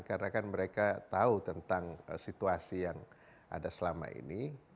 karena kan mereka tahu tentang situasi yang ada selama ini